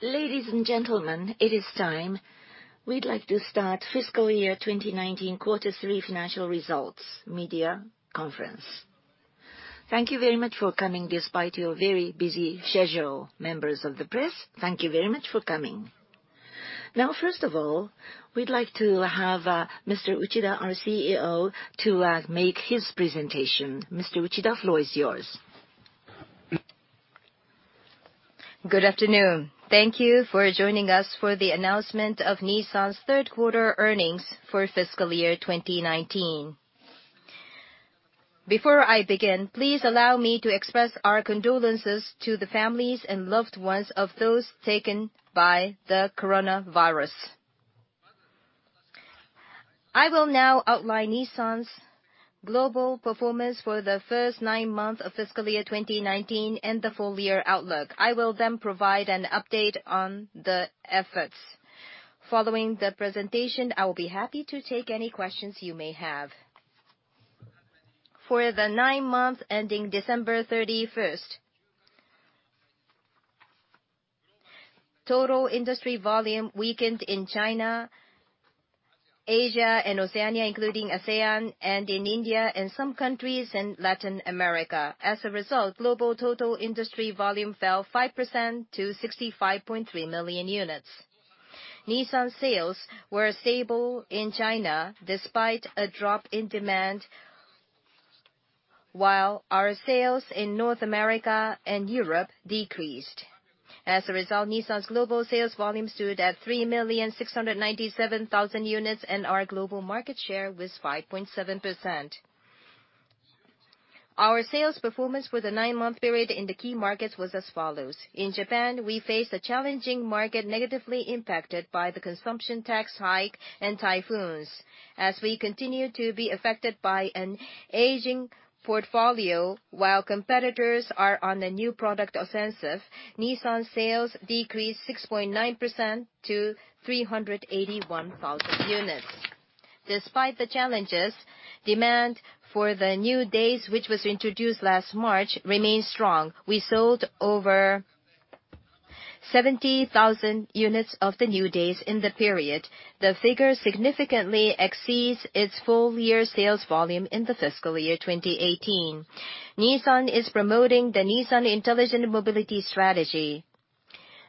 Ladies and gentlemen, it is time. We'd like to start fiscal year 2019 quarter three financial results media conference. Thank you very much for coming despite your very busy schedule. Members of the press, thank you very much for coming. Now first of all, we'd like to have Mr. Uchida, our CEO, to make his presentation. Mr. Uchida, floor is yours. Good afternoon. Thank you for joining us for the announcement of Nissan's third quarter earnings for fiscal year 2019. Before I begin, please allow me to express our condolences to the families and loved ones of those taken by the coronavirus. I will now outline Nissan's global performance for the first nine months of fiscal year 2019 and the full year outlook. I will then provide an update on the efforts. Following the presentation, I will be happy to take any questions you may have. For the nine months ending December 31st, total industry volume weakened in China, Asia and Oceania, including ASEAN, and in India and some countries in Latin America. As a result, global total industry volume fell 5% to 65.3 million units. Nissan sales were stable in China despite a drop in demand, while our sales in North America and Europe decreased. As a result, Nissan's global sales volume stood at 3,697,000 units, and our global market share was 5.7%. Our sales performance for the nine-month period in the key markets was as follows. In Japan, we faced a challenging market negatively impacted by the consumption tax hike and typhoons. As we continue to be affected by an aging portfolio while competitors are on a new product offensive, Nissan sales decreased 6.9% to 381,000 units. Despite the challenges, demand for the new Dayz, which was introduced last March, remains strong. We sold over 70,000 units of the new Dayz in the period. The figure significantly exceeds its full year sales volume in the fiscal year 2018. Nissan is promoting the Nissan Intelligent Mobility strategy.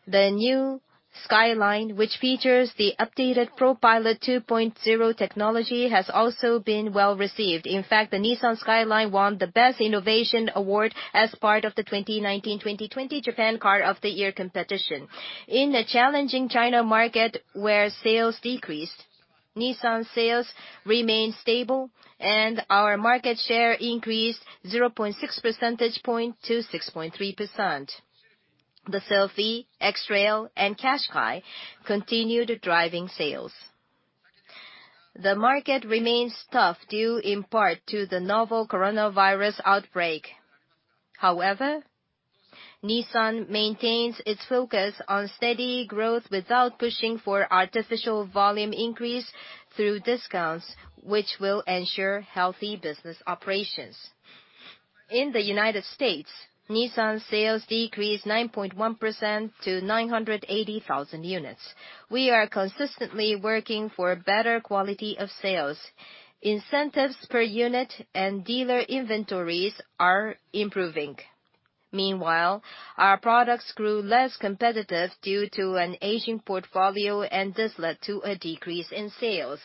The new Skyline, which features the updated ProPILOT 2.0 technology, has also been well-received. In fact, the Nissan Skyline won the Best Innovation award as part of the 2019/2020 Japan Car of the Year competition. In the challenging China market, where sales decreased, Nissan sales remained stable and our market share increased 0.6 percentage point to 6.3%. The Sylphy, X-Trail, and Qashqai continued driving sales. The market remains tough due in part to the novel coronavirus outbreak. Nissan maintains its focus on steady growth without pushing for artificial volume increase through discounts, which will ensure healthy business operations. In the United States, Nissan sales decreased 9.1% to 980,000 units. We are consistently working for better quality of sales. Incentives per unit and dealer inventories are improving. Meanwhile, our products grew less competitive due to an aging portfolio, and this led to a decrease in sales.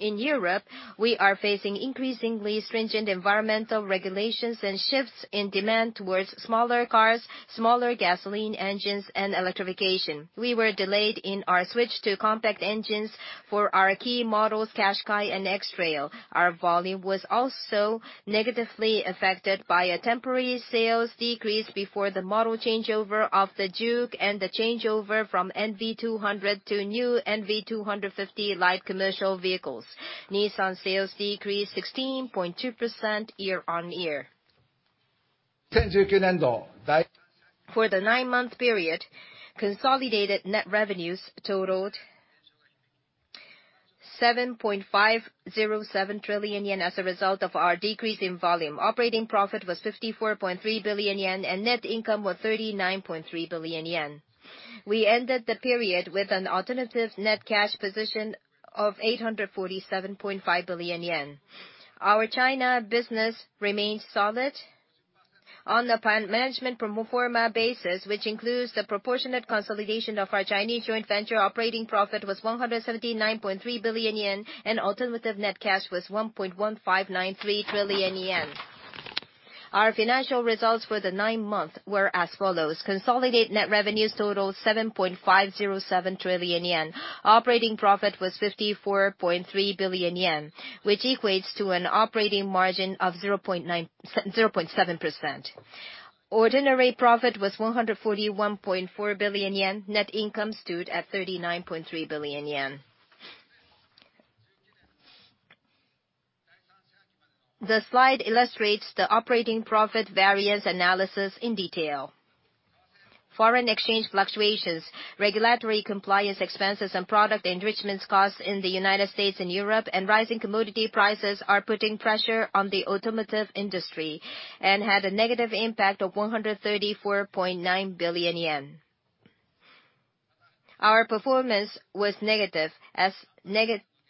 In Europe, we are facing increasingly stringent environmental regulations and shifts in demand towards smaller cars, smaller gasoline engines, and electrification. We were delayed in our switch to compact engines for our key models, Qashqai and X-Trail. Our volume was also negatively affected by a temporary sales decrease before the model changeover of the Juke and the changeover from NV200 to new NV250 light commercial vehicles. Nissan sales decreased 16.2% year-on-year. For the nine-month period, consolidated net revenues totaled 7.507 trillion yen as a result of our decrease in volume. Operating profit was 54.3 billion yen, and net income was 39.3 billion yen. We ended the period with an automotive net cash position of 847.5 billion yen. Our China business remained solid. On the management pro forma basis, which includes the proportionate consolidation of our Chinese joint venture, operating profit was 179.3 billion yen, and automotive net cash was 1.1593 trillion yen. Our financial results for the nine months were as follows. Consolidated net revenues totaled 7.507 trillion yen. Operating profit was 54.3 billion yen, which equates to an operating margin of 0.7%. Ordinary profit was 141.4 billion yen. Net income stood at 39.3 billion yen. The slide illustrates the operating profit variance analysis in detail. Foreign exchange fluctuations, regulatory compliance expenses, and product enrichments costs in the United States and Europe, and rising commodity prices are putting pressure on the automotive industry and had a negative impact of 134.9 billion yen. Our performance was negative as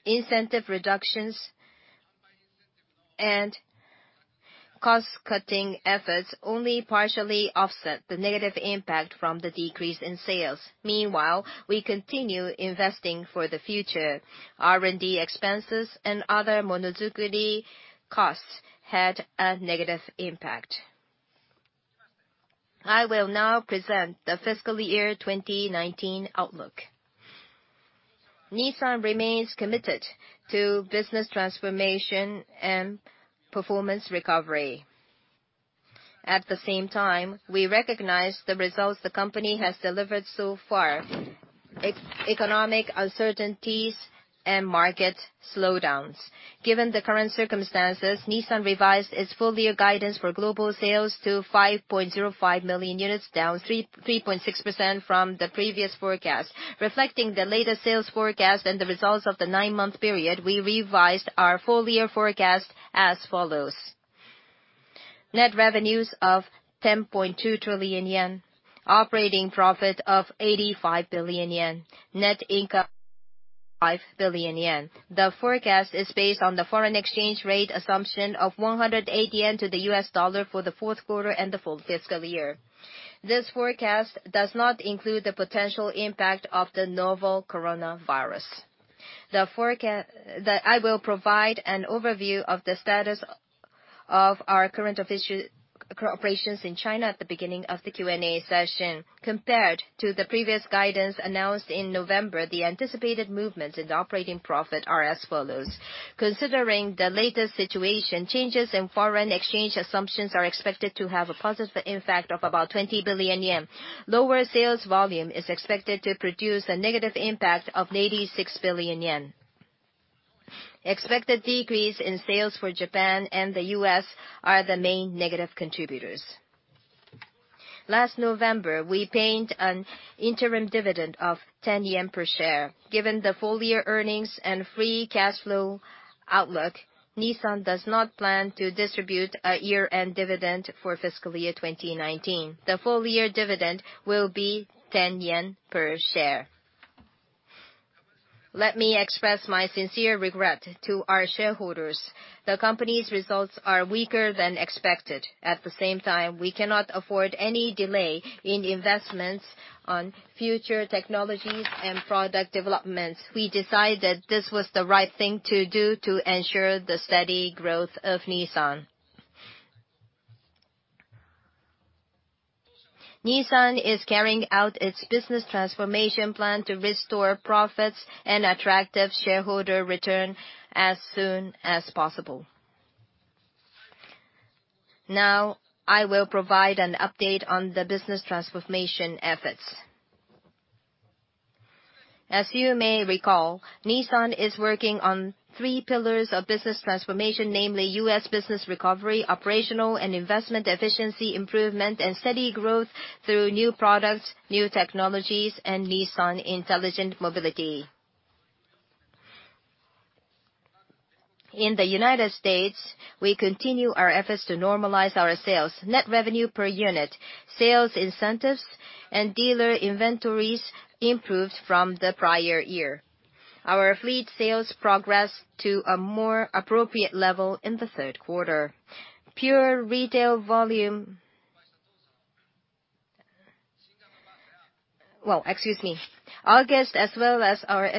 incentive reductions and cost-cutting efforts only partially offset the negative impact from the decrease in sales. Meanwhile, we continue investing for the future. R&D expenses and other monozukuri costs had a negative impact. I will now present the fiscal year 2019 outlook. Nissan remains committed to business transformation and performance recovery. At the same time, we recognize the results the company has delivered so far, economic uncertainties, and market slowdowns. Given the current circumstances, Nissan revised its full-year guidance for global sales to 5.05 million units, down 3.6% from the previous forecast. Reflecting the latest sales forecast and the results of the nine-month period, we revised our full-year forecast as follows. Net revenues of 10.2 trillion yen, operating profit of 85 billion yen, net income 5 billion yen. The forecast is based on the foreign exchange rate assumption of 180 yen to the U.S. dollar for the fourth quarter and the full fiscal year. This forecast does not include the potential impact of the novel coronavirus. I will provide an overview of the status of our current official operations in China at the beginning of the Q&A session. Compared to the previous guidance announced in November, the anticipated movements in the operating profit are as follows. Considering the latest situation, changes in foreign exchange assumptions are expected to have a positive impact of about 20 billion yen. Lower sales volume is expected to produce a negative impact of 86 billion yen. Expected decrease in sales for Japan and the U.S. are the main negative contributors. Last November, we paid an interim dividend of 10 yen per share. Given the full-year earnings and free cash flow outlook, Nissan does not plan to distribute a year-end dividend for fiscal year 2019. The full-year dividend will be 10 yen per share. Let me express my sincere regret to our shareholders. The company's results are weaker than expected. At the same time, we cannot afford any delay in investments on future technologies and product developments. We decided this was the right thing to do to ensure the steady growth of Nissan. Nissan is carrying out its business transformation plan to restore profits and attractive shareholder return as soon as possible. Now, I will provide an update on the business transformation efforts. As you may recall, Nissan is working on three pillars of business transformation, namely, U.S. business recovery, operational and investment efficiency improvement, and steady growth through new products, new technologies, and Nissan Intelligent Mobility. In the United States, we continue our efforts to normalize our sales. Net revenue per unit, sales incentives, and dealer inventories improved from the prior year. Our fleet sales progressed to a more appropriate level in the third quarter. Pure retail volume. Well, excuse me. August as well as our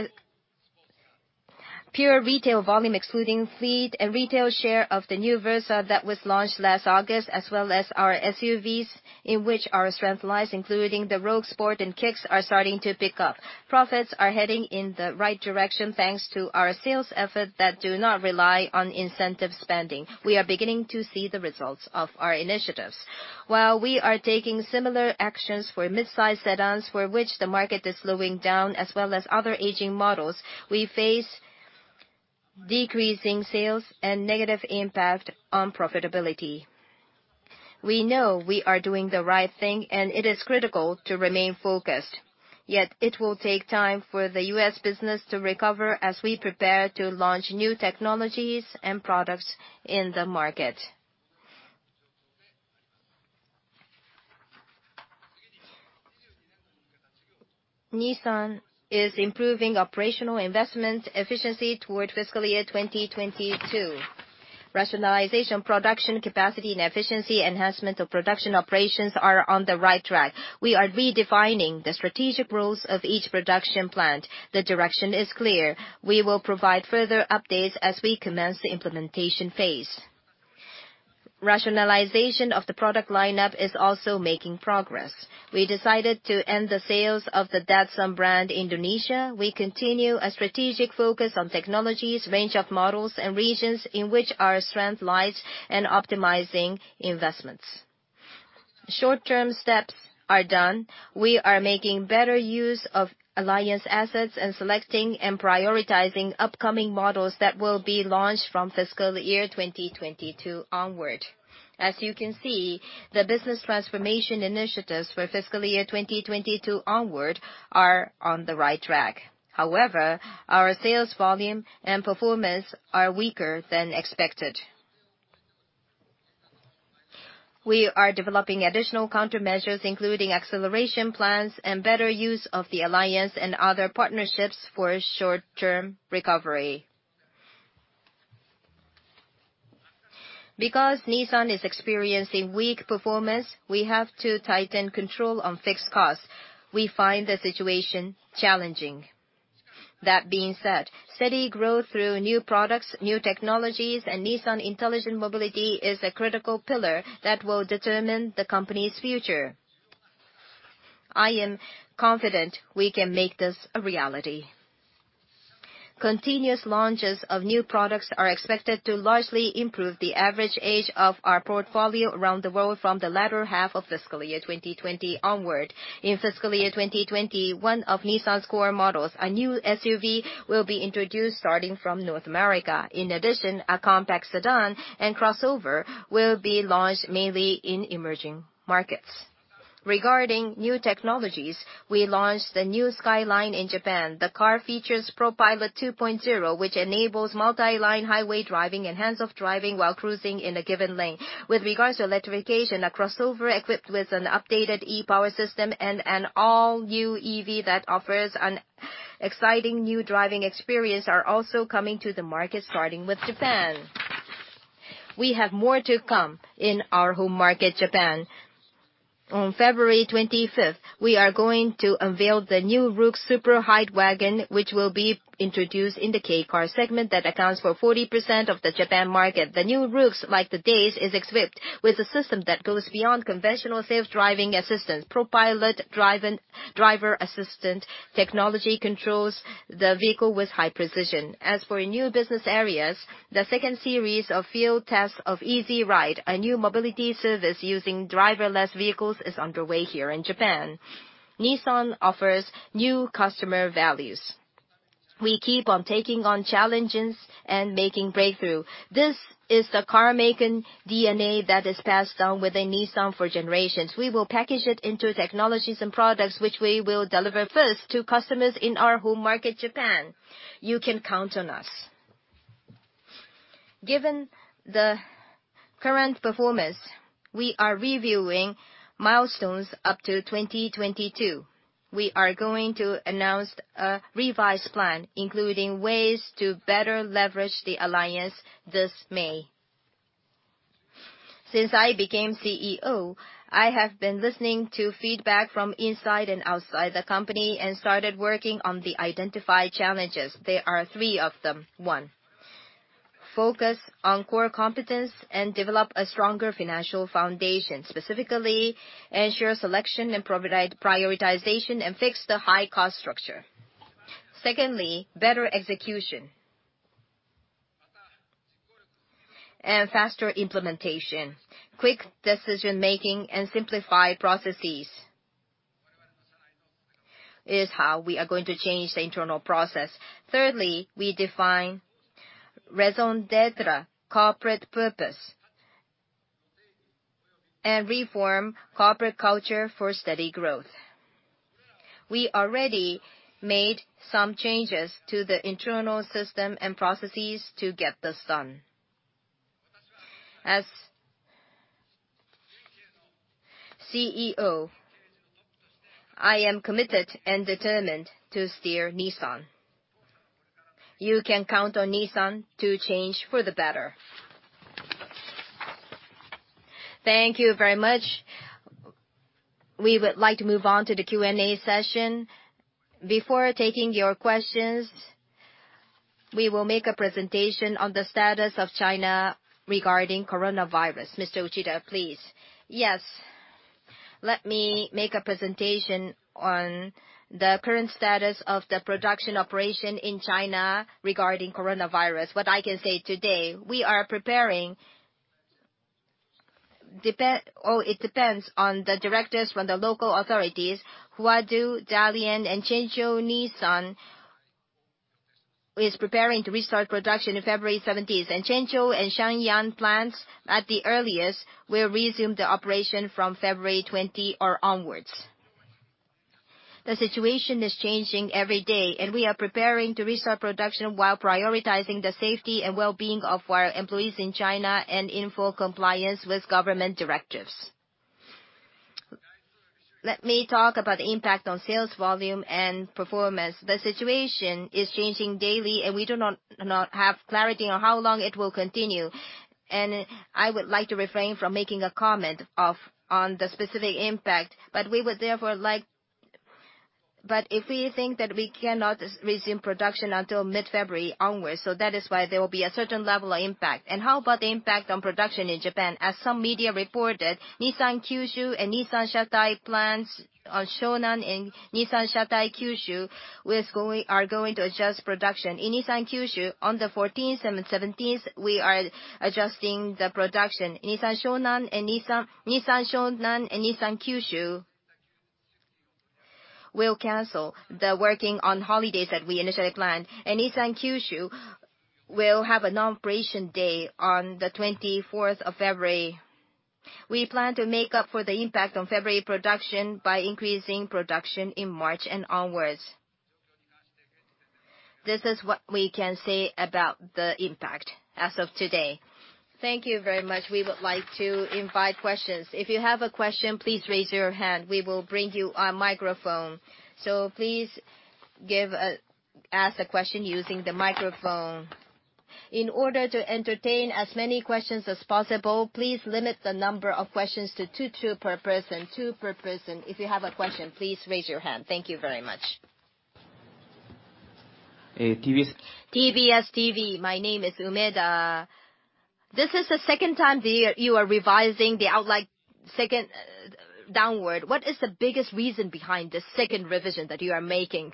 pure retail volume excluding fleet and retail share of the new Versa that was launched last August, as well as our SUVs, in which our strength lies, including the Rogue Sport and Kicks, are starting to pick up. Profits are heading in the right direction thanks to our sales efforts that do not rely on incentive spending. We are beginning to see the results of our initiatives. While we are taking similar actions for mid-size sedans for which the market is slowing down, as well as other aging models, we face decreasing sales and negative impact on profitability. We know we are doing the right thing, and it is critical to remain focused. Yet it will take time for the U.S. business to recover as we prepare to launch new technologies and products in the market. Nissan is improving operational investment efficiency toward fiscal year 2022. Rationalization production capacity and efficiency enhancement of production operations are on the right track. We are redefining the strategic roles of each production plant. The direction is clear. We will provide further updates as we commence the implementation phase. Rationalization of the product lineup is also making progress. We decided to end the sales of the Datsun brand Indonesia. We continue a strategic focus on technologies, range of models, and regions in which our strength lies in optimizing investments. Short-term steps are done. We are making better use of alliance assets and selecting and prioritizing upcoming models that will be launched from fiscal year 2022 onward. As you can see, the business transformation initiatives for fiscal year 2022 onward are on the right track. However, our sales volume and performance are weaker than expected. We are developing additional countermeasures, including acceleration plans and better use of the alliance and other partnerships for short-term recovery. Because Nissan is experiencing weak performance, we have to tighten control on fixed costs. We find the situation challenging. That being said, steady growth through new products, new technologies, and Nissan Intelligent Mobility is a critical pillar that will determine the company's future. I am confident we can make this a reality. Continuous launches of new products are expected to largely improve the average age of our portfolio around the world from the latter half of fiscal year 2020 onward. In fiscal year 2020, one of Nissan's core models, a new SUV, will be introduced starting from North America. In addition, a compact sedan and crossover will be launched mainly in emerging markets. Regarding new technologies, we launched the new Skyline in Japan. The car features ProPILOT 2.0, which enables multi-line highway driving and hands-off driving while cruising in a given lane. With regards to electrification, a crossover equipped with an updated e-POWER system and an all-new EV that offers an exciting new driving experience are also coming to the market, starting with Japan. We have more to come in our home market, Japan. On February 25th, we are going to unveil the new Roox super high wagon, which will be introduced in the kei car segment that accounts for 40% of the Japan market. The new Roox, like the Dayz, is equipped with a system that goes beyond conventional safe driving assistance. ProPILOT driver assistant technology controls the vehicle with high precision. As for new business areas, the second series of field tests of Easy Ride, a new mobility service using driverless vehicles, is underway here in Japan. Nissan offers new customer values. We keep on taking on challenges and making breakthroughs. This is the carmaking DNA that is passed down within Nissan for generations. We will package it into technologies and products, which we will deliver first to customers in our home market, Japan. You can count on us. Given the current performance, we are reviewing milestones up to 2022. We are going to announce a revised plan, including ways to better leverage the alliance, this May. Since I became CEO, I have been listening to feedback from inside and outside the company and started working on the identified challenges. There are three of them. One, focus on core competence and develop a stronger financial foundation, specifically ensure selection and prioritization and fix the high cost structure. Secondly, better execution and faster implementation. Quick decision-making and simplify processes is how we are going to change the internal process. Thirdly, we define raison d'être, corporate purpose, and reform corporate culture for steady growth. We already made some changes to the internal system and processes to get this done. As CEO, I am committed and determined to steer Nissan. You can count on Nissan to change for the better. Thank you very much. We would like to move on to the Q&A session. Before taking your questions, we will make a presentation on the status of China regarding coronavirus. Mr. Uchida, please. Yes. Let me make a presentation on the current status of the production operation in China regarding coronavirus. What I can say today, we are preparing. It depends on the directives from the local authorities, Huadu, Dalian, and Zhengzhou. Nissan is preparing to restart production on February 17th. Zhengzhou and Shenyang plants, at the earliest, will resume the operation from February 20 onwards. The situation is changing every day, we are preparing to restart production while prioritizing the safety and well-being of our employees in China and in full compliance with government directives. Let me talk about the impact on sales volume and performance. The situation is changing daily, we do not have clarity on how long it will continue, I would like to refrain from making a comment on the specific impact. If we think that we cannot resume production until mid-February onwards, that is why there will be a certain level of impact. How about the impact on production in Japan? As some media reported, Nissan Kyushu and Nissan Shatai plants on Shonan and Nissan Shatai Kyushu are going to adjust production. In Nissan Kyushu on the 14th and 17th, we are adjusting the production. Nissan Shonan and Nissan Kyushu will cancel the working on holidays that we initially planned. Nissan Kyushu will have a non-operation day on the 24th of February. We plan to make up for the impact on February production by increasing production in March and onwards. This is what we can say about the impact as of today. Thank you very much. We would like to invite questions. If you have a question, please raise your hand. We will bring you a microphone. Please ask the question using the microphone. In order to entertain as many questions as possible, please limit the number of questions to two per person. If you have a question, please raise your hand. Thank you very much. TBS TV. My name is Umeda. This is the second time you are revising the outlook downward. What is the biggest reason behind this second revision that you are making?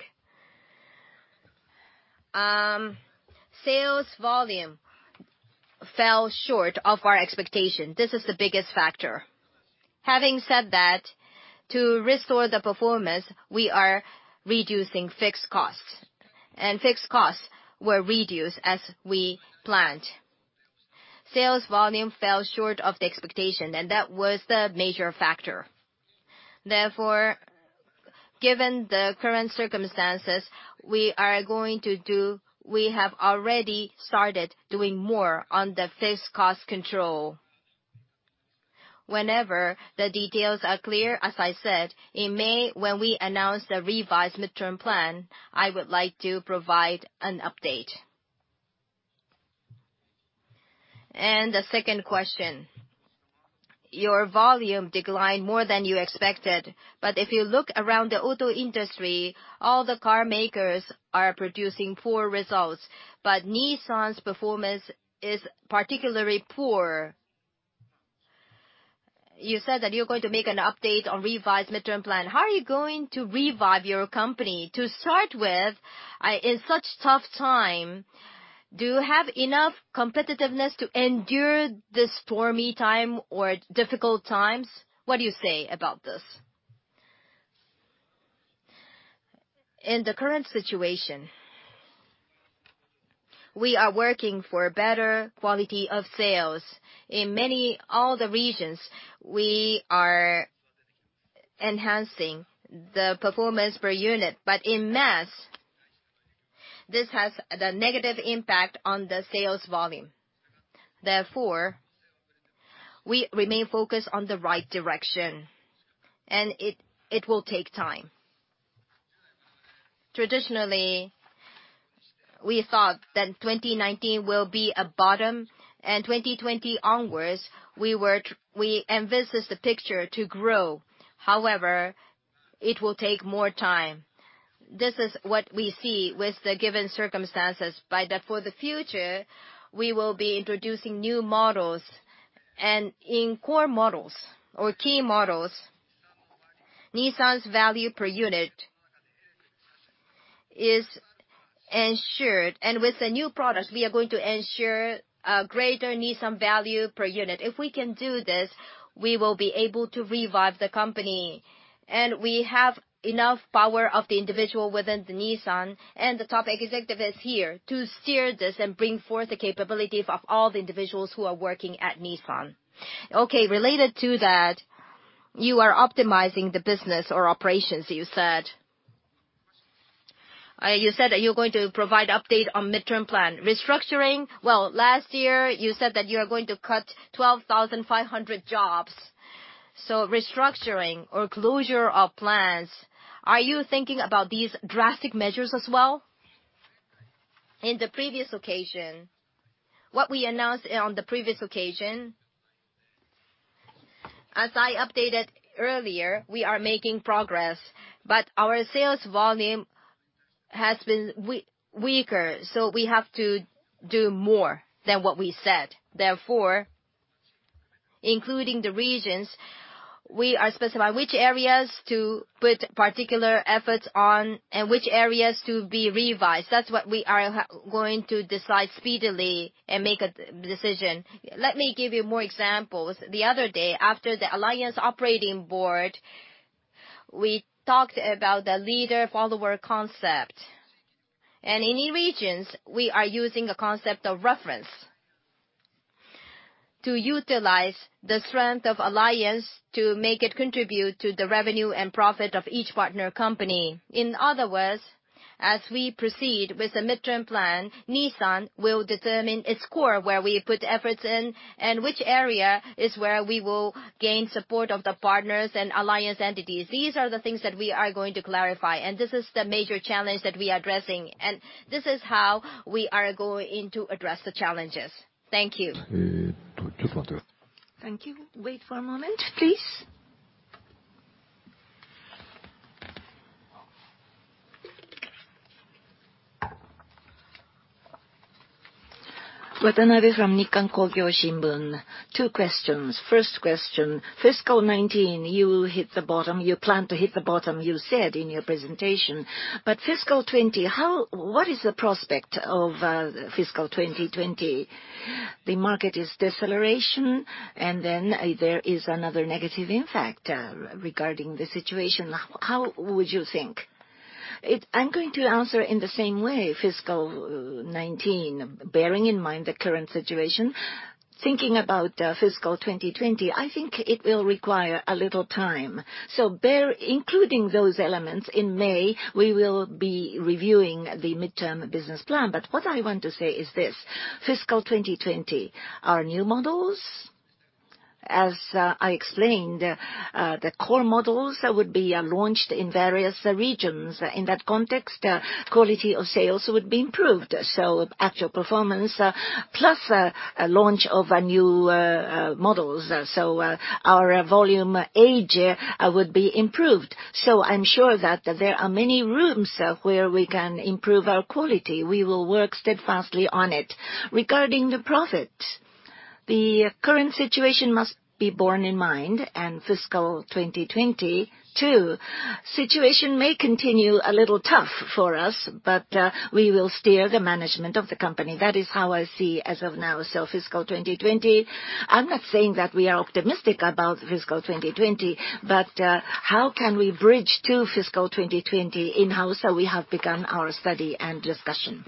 Sales volume fell short of our expectation. This is the biggest factor. Having said that, to restore the performance, we are reducing fixed costs, fixed costs were reduced as we planned. Sales volume fell short of the expectation, that was the major factor. Given the current circumstances, we have already started doing more on the fixed cost control. Whenever the details are clear, as I said, in May when we announce the revised midterm plan, I would like to provide an update. The second question. Your volume declined more than you expected, but if you look around the auto industry, all the carmakers are producing poor results. Nissan's performance is particularly poor. You said that you're going to make an update on revised midterm plan. How are you going to revive your company? To start with, in such a tough time, do you have enough competitiveness to endure this stormy time or difficult times? What do you say about this? In the current situation, we are working for better quality of sales. In all the regions, we are enhancing the performance per unit. En masse, this has the negative impact on the sales volume. Therefore, we remain focused on the right direction, and it will take time. Traditionally, we thought that 2019 will be a bottom, and 2020 onwards, we envisaged the picture to grow. It will take more time. This is what we see with the given circumstances. For the future, we will be introducing new models, and in core models or key models, Nissan's value per unit is ensured. With the new products, we are going to ensure a greater Nissan value per unit. If we can do this, we will be able to revive the company. We have enough power of the individual within Nissan and the top executive is here to steer this and bring forth the capability of all the individuals who are working at Nissan. Okay. Related to that, you are optimizing the business or operations you said. You said that you're going to provide update on midterm plan restructuring. Well, last year you said that you are going to cut 12,500 jobs. Restructuring or closure of plants, are you thinking about these drastic measures as well? In the previous occasion, what we announced, as I updated earlier, we are making progress, but our sales volume has been weaker, so we have to do more than what we said. Including the regions, we are specifying which areas to put particular efforts on and which areas to be revised. That's what we are going to decide speedily and make a decision. Let me give you more examples. The other day, after the Alliance Operating Board, we talked about the leader-follower concept. In regions, we are using a concept of reference to utilize the strength of Alliance to make it contribute to the revenue and profit of each partner company. In other words, as we proceed with the midterm plan, Nissan will determine its core, where we put efforts in, and which area is where we will gain support of the partners and Alliance entities. These are the things that we are going to clarify, and this is the major challenge that we are addressing, and this is how we are going to address the challenges. Thank you. Thank you. Wait for a moment, please. Watanabe from Nikkan Kogyo Shimbun. Two questions. First question, fiscal 2019, you hit the bottom. You plan to hit the bottom, you said in your presentation. Fiscal 2020, what is the prospect of fiscal 2020? The market is deceleration, there is another negative impact regarding the situation. How would you think? I'm going to answer in the same way. Fiscal 2019. Bearing in mind the current situation, thinking about fiscal 2020, I think it will require a little time. Including those elements, in May, we will be reviewing the midterm business plan. What I want to say is this, fiscal 2020, our new models, as I explained, the core models would be launched in various regions. In that context, quality of sales would be improved. Actual performance, plus launch of new models, so our volume age would be improved. I'm sure that there are many rooms where we can improve our quality. We will work steadfastly on it. Regarding the profit, the current situation must be borne in mind, and fiscal 2020, too. Situation may continue a little tough for us, but we will steer the management of the company. That is how I see as of now. Fiscal 2020, I'm not saying that we are optimistic about fiscal 2020, but how can we bridge to fiscal 2020 in-house? We have begun our study and discussion.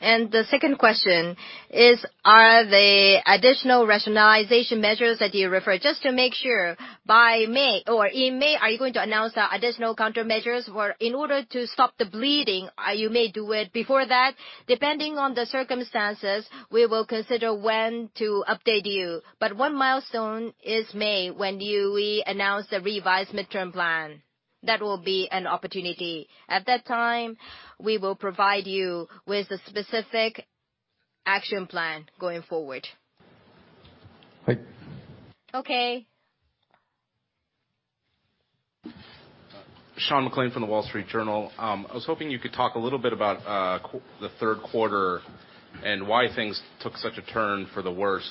The second question is, are the additional rationalization measures that you referred, just to make sure, by May or in May, are you going to announce additional countermeasures? In order to stop the bleeding, you may do it before that? Depending on the circumstances, we will consider when to update you. One milestone is May, when we announce the revised midterm plan. That will be an opportunity. At that time, we will provide you with a specific action plan going forward. Okay. Sean McLain from The Wall Street Journal. I was hoping you could talk a little bit about the third quarter and why things took such a turn for the worst,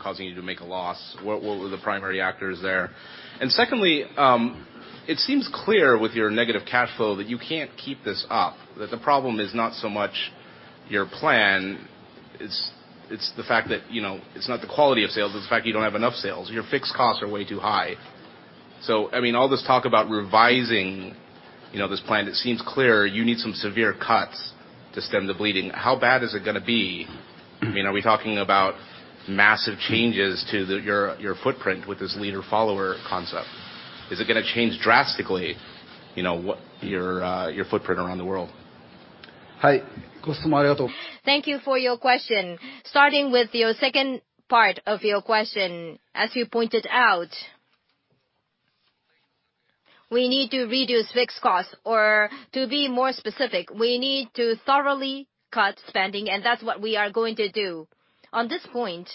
causing you to make a loss. What were the primary actors there? Secondly, it seems clear with your negative cash flow that you can't keep this up, that the problem is not so much your plan. It's the fact that it's not the quality of sales, it's the fact you don't have enough sales. Your fixed costs are way too high. All this talk about revising this plan, it seems clear you need some severe cuts to stem the bleeding. How bad is it going to be? Are we talking about massive changes to your footprint with this leader-follower concept? Is it going to change drastically, your footprint around the world? Thank you for your question. Starting with your second part of your question, as you pointed out, we need to reduce fixed costs. To be more specific, we need to thoroughly cut spending, and that's what we are going to do. On this point,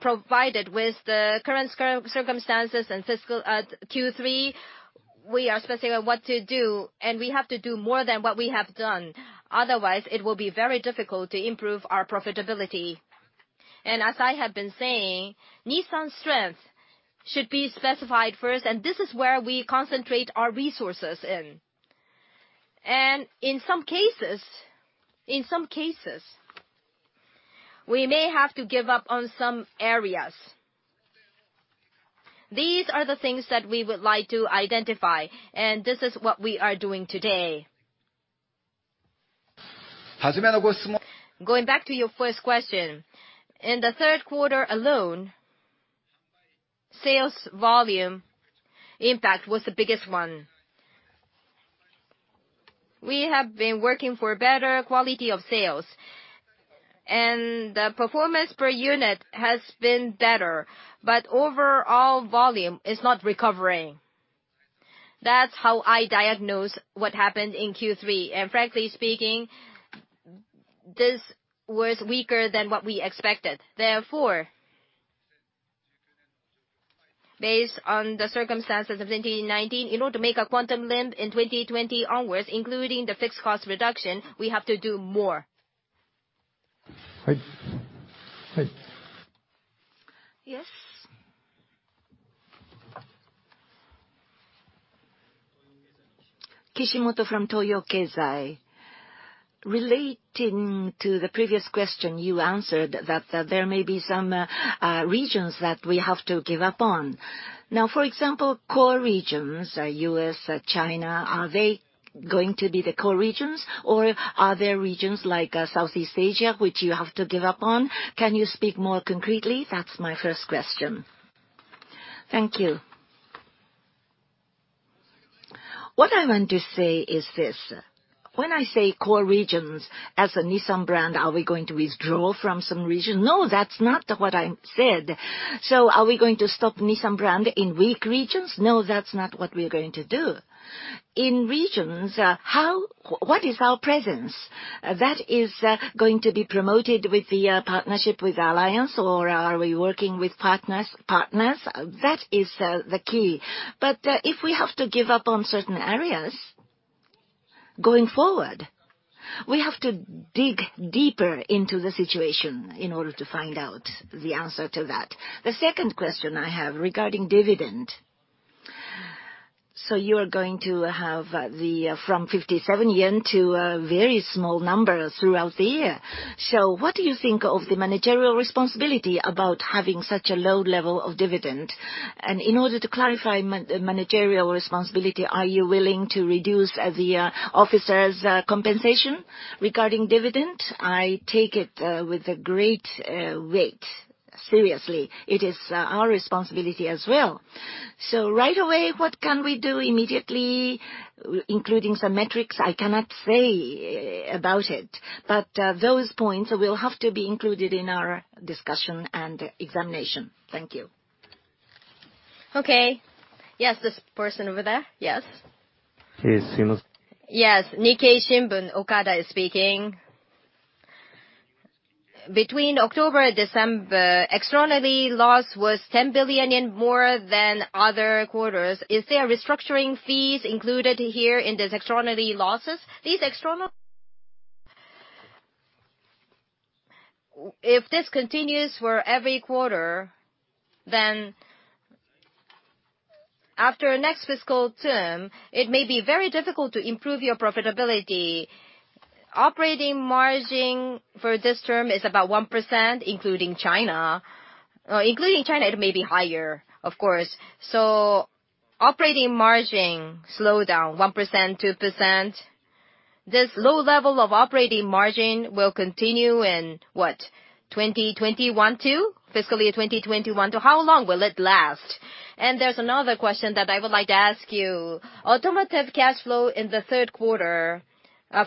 provided with the current circumstances and fiscal Q3, we are specifying what to do, and we have to do more than what we have done, otherwise it will be very difficult to improve our profitability. As I have been saying, Nissan's strength should be specified first, and this is where we concentrate our resources in. In some cases, we may have to give up on some areas. These are the things that we would like to identify, and this is what we are doing today. Going back to your first question, in the third quarter alone, sales volume impact was the biggest one. We have been working for better quality of sales. The performance per unit has been better. Overall volume is not recovering. That's how I diagnose what happened in Q3. Frankly speaking, this was weaker than what we expected. Therefore, based on the circumstances of 2019, in order to make a quantum leap in 2020 onwards, including the fixed cost reduction, we have to do more. Yes. Kishimoto from Toyo Keizai. Relating to the previous question, you answered that there may be some regions that we have to give up on. For example, core regions, U.S., China, are they going to be the core regions? Are there regions like Southeast Asia, which you have to give up on? Can you speak more concretely? That's my first question. Thank you. What I want to say is this. When I say core regions as a Nissan brand, are we going to withdraw from some regions? No, that's not what I said. Are we going to stop Nissan brand in weak regions? No, that's not what we're going to do. In regions, what is our presence? That is going to be promoted with the partnership with Alliance, are we working with partners? That is the key. If we have to give up on certain areas going forward, we have to dig deeper into the situation in order to find out the answer to that. The second question I have regarding dividend. You are going to have from 57 yen to a very small number throughout the year. What do you think of the managerial responsibility about having such a low level of dividend? In order to clarify managerial responsibility, are you willing to reduce the officers' compensation? Regarding dividend, I take it with a great weight, seriously. It is our responsibility as well. Right away, what can we do immediately, including some metrics, I cannot say about it. Those points will have to be included in our discussion and examination. Thank you. Okay. Yes, this person over there. Yes. Yes. Nikkei Shimbun, Okada is speaking. Between October, December, extraordinary loss was 10 billion more than other quarters. Is there restructuring fees included here in these extraordinary losses? If this continues for every quarter, after next fiscal term, it may be very difficult to improve your profitability. Operating margin for this term is about 1%, including China. Including China, it may be higher, of course. Operating margin slow down 1%, 2%. This low level of operating margin will continue in what, fiscally 2021 to, how long will it last? There's another question that I would like to ask you. Automotive cash flow in the third quarter,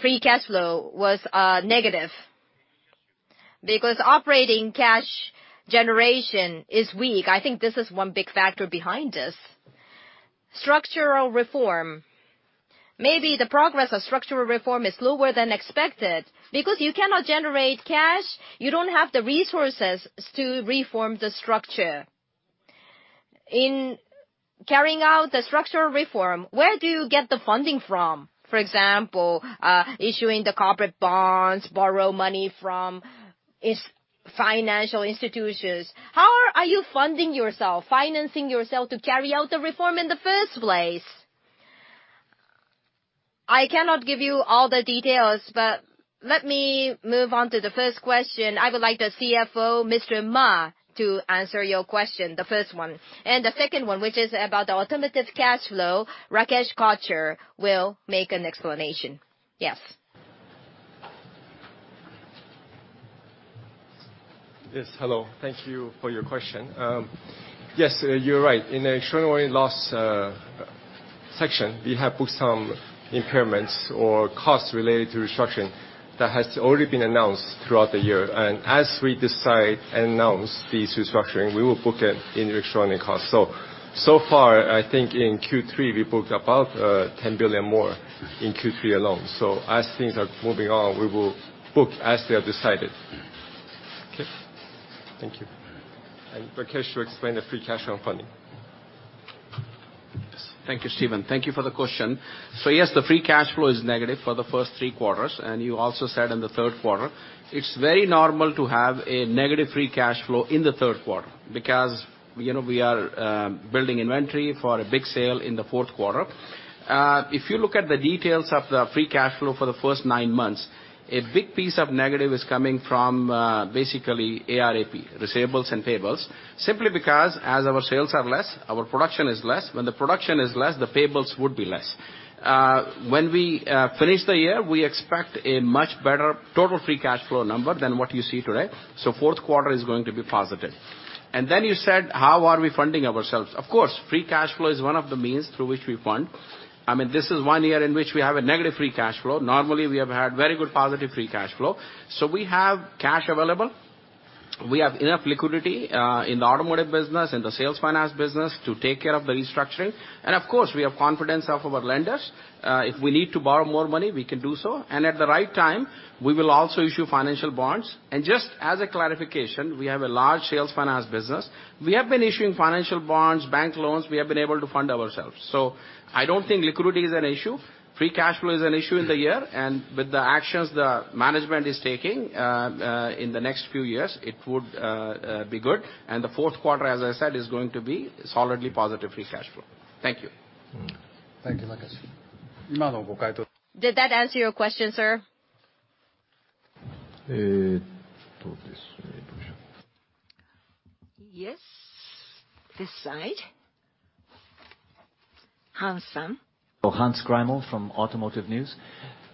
free cash flow was negative because operating cash generation is weak. I think this is one big factor behind this. Structural reform. Maybe the progress of structural reform is lower than expected. Because you cannot generate cash, you don't have the resources to reform the structure. In carrying out the structural reform, where do you get the funding from? For example, issuing the corporate bonds, borrow money from financial institutions. How are you funding yourself, financing yourself to carry out the reform in the first place? I cannot give you all the details, but let me move on to the first question. I would like the CFO, Mr. Ma, to answer your question, the first one. The second one, which is about the automotive cash flow, Rakesh Kochhar will make an explanation. Yes. Yes. Hello. Thank you for your question. Yes, you're right. In the extraordinary loss section, we have put some impairments or costs related to restructuring that has already been announced throughout the year. As we decide and announce these restructuring, we will book it in extraordinary costs. So far, I think in Q3, we booked about 10 billion more in Q3 alone. As things are moving on, we will book as they are decided. Okay, thank you. Rakesh will explain the free cash flow funding. Yes. Thank you, Stephen. Thank you for the question. Yes, the free cash flow is negative for the first three quarters, and you also said in the third quarter. It's very normal to have a negative free cash flow in the third quarter because we are building inventory for a big sale in the fourth quarter. If you look at the details of the free cash flow for the first nine months, a big piece of negative is coming from, basically, AR/AP, receivables and payables. Simply because as our sales are less, our production is less. When the production is less, the payables would be less. When we finish the year, we expect a much better total free cash flow number than what you see today, so fourth quarter is going to be positive. Then you said, how are we funding ourselves? Of course, free cash flow is one of the means through which we fund. This is one year in which we have a negative free cash flow. Normally, we have had very good positive free cash flow. We have cash available. We have enough liquidity, in the automotive business, in the sales finance business to take care of the restructuring. Of course, we have confidence of our lenders. If we need to borrow more money, we can do so. At the right time, we will also issue financial bonds. Just as a clarification, we have a large sales finance business. We have been issuing financial bonds, bank loans. We have been able to fund ourselves. I don't think liquidity is an issue. Free cash flow is an issue in the year, and with the actions the management is taking, in the next few years, it would be good. The fourth quarter, as I said, is going to be solidly positive free cash flow. Thank you. Thank you, Rakesh. Did that answer your question, sir? Yes. This side. Hans, sir. Hans Greimel from Automotive News.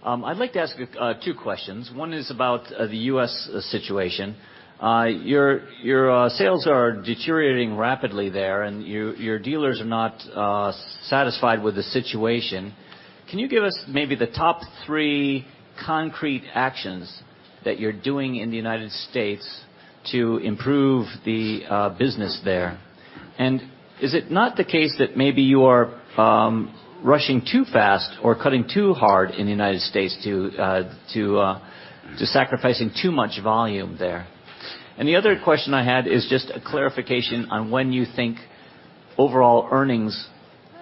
I'd like to ask two questions. One is about the U.S. situation. Your sales are deteriorating rapidly there and your dealers are not satisfied with the situation. Can you give us maybe the top three concrete actions that you're doing in the United States to improve the business there? Is it not the case that maybe you are rushing too fast or cutting too hard in the United States to sacrificing too much volume there? The other question I had is just a clarification on when you think overall earnings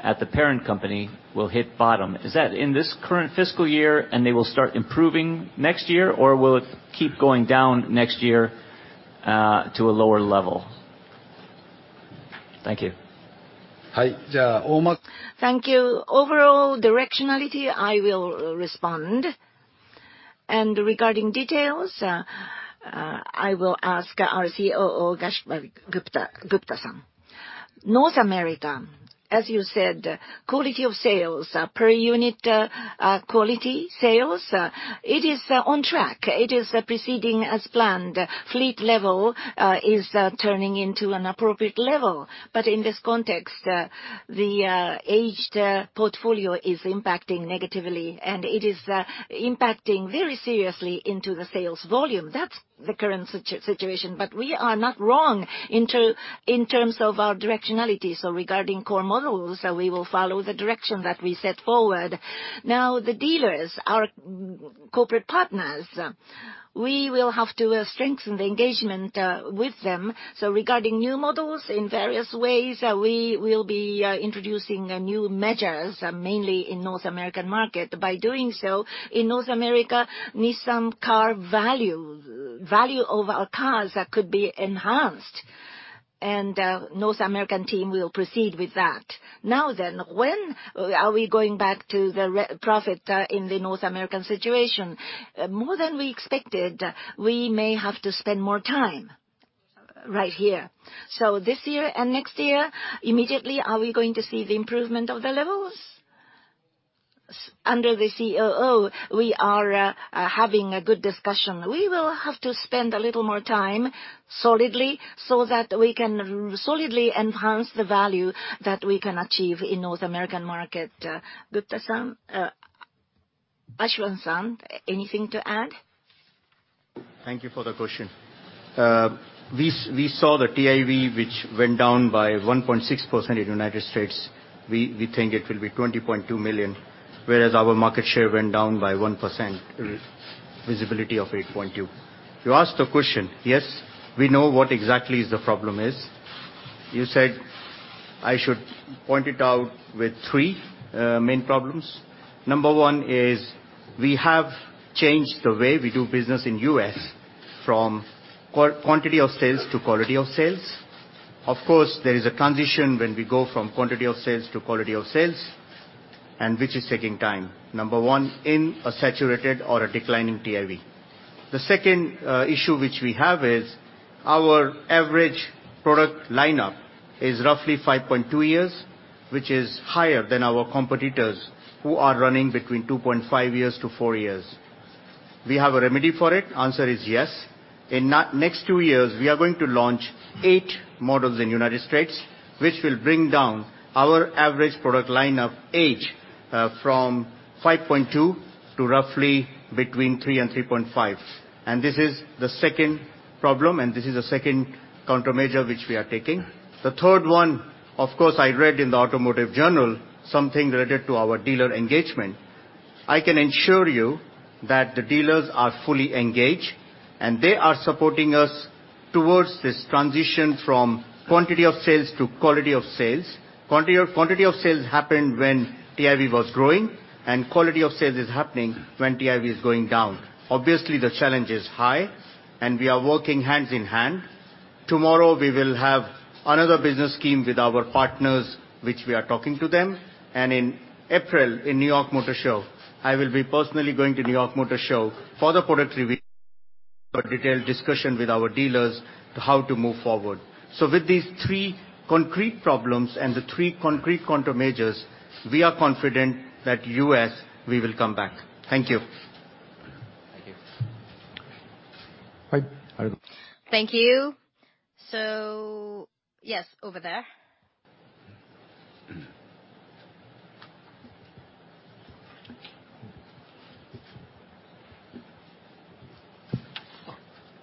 at the parent company will hit bottom. Is that in this current fiscal year and they will start improving next year, or will it keep going down next year to a lower level? Thank you. Thank you. Overall directionality, I will respond. Regarding details, I will ask our COO, Ashwani Gupta-san. North America, as you said, quality of sales, per unit, quality sales, it is on track. It is proceeding as planned. Fleet level is turning into an appropriate level. In this context, the aged portfolio is impacting negatively, and it is impacting very seriously into the sales volume. That's the current situation. We are not wrong in terms of our directionality. Regarding core models, we will follow the direction that we set forward. The dealers, our corporate partners, we will have to strengthen the engagement with them. Regarding new models in various ways, we will be introducing new measures, mainly in North American market. By doing so, in North America, Nissan car value of our cars could be enhanced. The North American team will proceed with that. When are we going back to the profit in the North American situation? More than we expected, we may have to spend more time right here. This year and next year, immediately, are we going to see the improvement of the levels? Under the COO, we are having a good discussion. We will have to spend a little more time solidly so that we can solidly enhance the value that we can achieve in North American market. Gupta-san, Ashwani-san, anything to add? Thank you for the question. We saw the TIV, which went down by 1.6% in the U.S. We think it will be 20.2 million, whereas our market share went down by 1%, visibility of 8.2. You asked the question. Yes, we know what exactly is the problem. You said I should point it out with three main problems. Number one is we have changed the way we do business in the U.S. from quantity of sales to quality of sales. Of course, there is a transition when we go from quantity of sales to quality of sales, which is taking time, number one, in a saturated or a declining TIV. The second issue which we have is our average product lineup is roughly 5.2 years, which is higher than our competitors, who are running between 2.5-4 years. We have a remedy for it. Answer is yes. In next two years, we are going to launch eight models in U.S., which will bring down our average product lineup age from 5.2 to roughly between three and 3.5. This is the second problem, and this is the second countermeasure which we are taking. The third one, of course, I read in the Automotive News, something related to our dealer engagement. I can ensure you that the dealers are fully engaged, and they are supporting us towards this transition from quantity of sales to quality of sales. Quantity of sales happened when TIV was growing, and quality of sales is happening when TIV is going down. Obviously, the challenge is high, and we are working hand in hand. Tomorrow, we will have another business scheme with our partners, which we are talking to them. In April, in New York Motor Show, I will be personally going to New York Motor Show for the product reveal, a detailed discussion with our dealers how to move forward. With these three concrete problems and the three concrete countermeasures, we are confident that U.S., we will come back. Thank you. Thank you. Thank you. Yes, over there.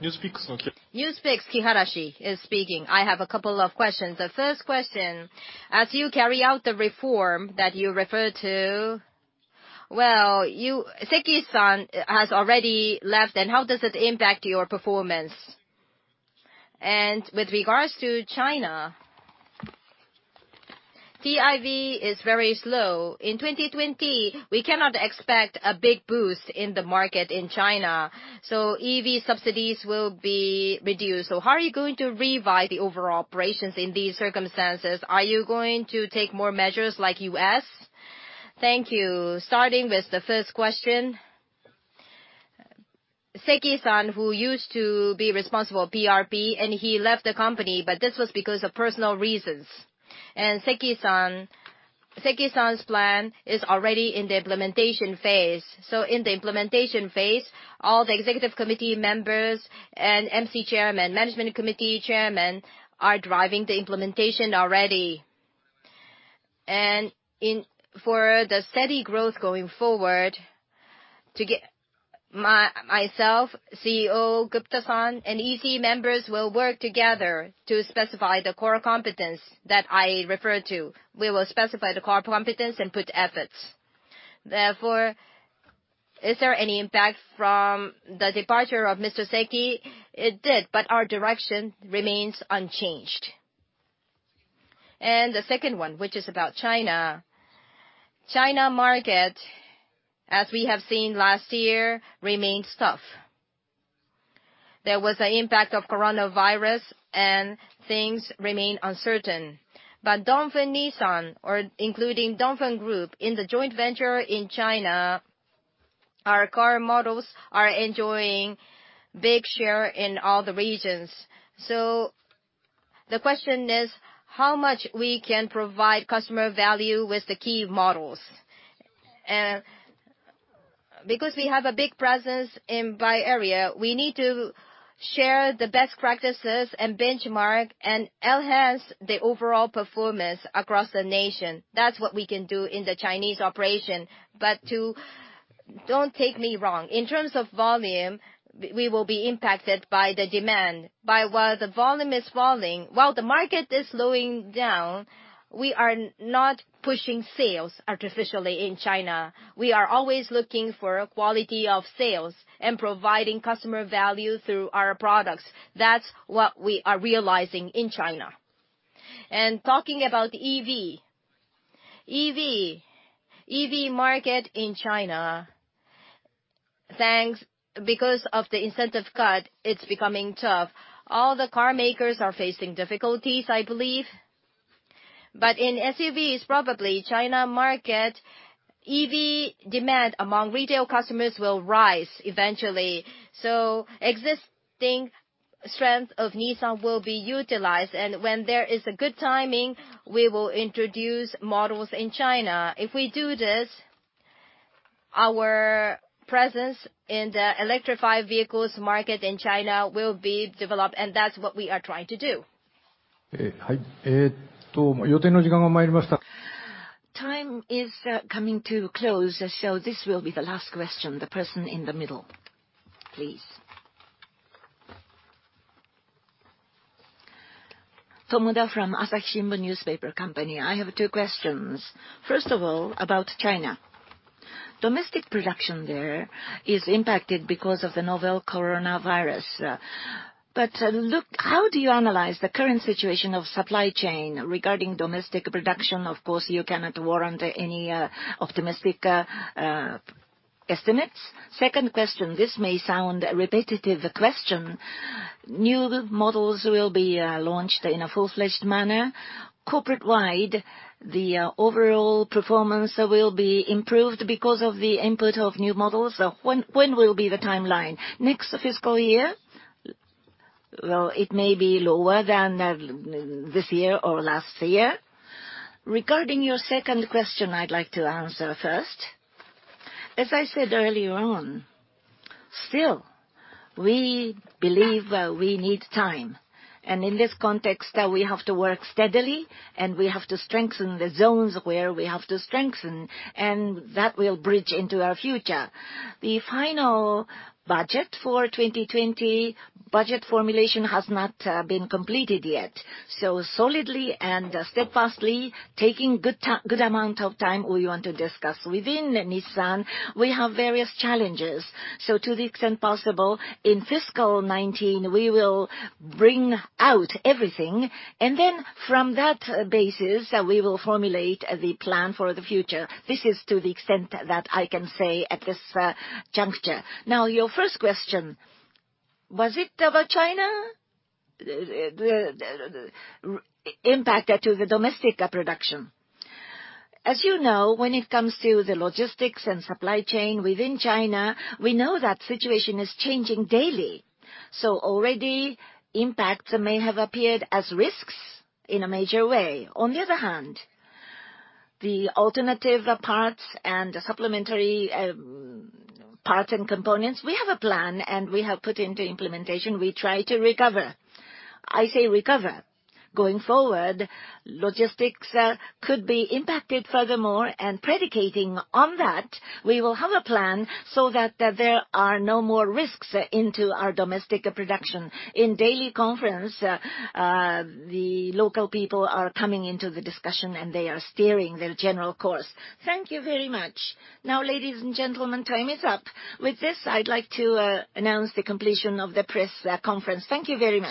NewsPicks. NewsPicks, Kiharashi is speaking. I have a couple of questions. The first question, as you carry out the reform that you referred to, well, Seki-san has already left, how does it impact your performance? With regards to China, TIV is very slow. In 2020, we cannot expect a big boost in the market in China, EV subsidies will be reduced. How are you going to revise the overall operations in these circumstances? Are you going to take more measures like U.S.? Thank you. Starting with the first question, Seki-san, who used to be responsible PRP, he left the company, but this was because of personal reasons. Seki-san's plan is already in the implementation phase. In the implementation phase, all the executive committee members and MC chairman, management committee chairman, are driving the implementation already. For the steady growth going forward, myself, CEO, Gupta-san, and EC members will work together to specify the core competence that I referred to. We will specify the core competence and put efforts. Is there any impact from the departure of Mr. Seki? It did, our direction remains unchanged. The second one, which is about China. China market, as we have seen last year, remained tough. There was an impact of coronavirus and things remained uncertain. Dongfeng Nissan, including Dongfeng group in the joint venture in China, our car models are enjoying big share in all the regions. The question is, how much we can provide customer value with the key models? We have a big presence in Bay Area, we need to share the best practices and benchmark and enhance the overall performance across the nation. That's what we can do in the Chinese operation. Don't take me wrong. In terms of volume, we will be impacted by the demand. While the volume is falling, while the market is slowing down, we are not pushing sales artificially in China. We are always looking for a quality of sales and providing customer value through our products. That's what we are realizing in China. Talking about EV. EV market in China, because of the incentive cut, it's becoming tough. All the car makers are facing difficulties, I believe. In SUVs, probably China market, EV demand among retail customers will rise eventually. Existing strength of Nissan will be utilized. When there is a good timing, we will introduce models in China. If we do this, our presence in the electrified vehicles market in China will be developed, and that's what we are trying to do. Time is coming to a close, so this will be the last question. The person in the middle, please. Tomoda from Asahi Shimbun Newspaper Company. I have two questions. First of all, about China. Domestic production there is impacted because of the novel coronavirus. How do you analyze the current situation of supply chain regarding domestic production? Of course, you cannot warrant any optimistic estimates. Second question, this may sound a repetitive question. New models will be launched in a full-fledged manner. Corporate-wide, the overall performance will be improved because of the input of new models. When will be the timeline? Next fiscal year? Well, it may be lower than this year or last year. Regarding your second question, I'd like to answer first. As I said earlier on, still, we believe we need time. In this context, we have to work steadily, and we have to strengthen the zones where we have to strengthen, and that will bridge into our future. The final budget for 2020, budget formulation has not been completed yet. Solidly and steadfastly taking good amount of time, we want to discuss. Within Nissan, we have various challenges. To the extent possible, in fiscal 2019, we will bring out everything. Then from that basis, we will formulate the plan for the future. This is to the extent that I can say at this juncture. Now, your first question, was it about China? Impact to the domestic production. As you know, when it comes to the logistics and supply chain within China, we know that situation is changing daily. Already impact may have appeared as risks in a major way. On the other hand, the alternative parts and supplementary parts and components, we have a plan and we have put into implementation. We try to recover. I say recover. Going forward, logistics could be impacted furthermore, and predicating on that, we will have a plan so that there are no more risks into our domestic production. In daily conference, the local people are coming into the discussion, and they are steering their general course. Thank you very much. Ladies and gentlemen, time is up. With this, I'd like to announce the completion of the press conference. Thank you very much.